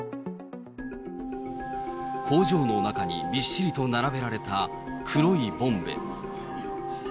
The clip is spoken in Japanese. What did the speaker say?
工場の中にびっしりと並べられた黒いボンベ。